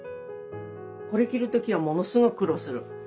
これ着る時はものすごく苦労する。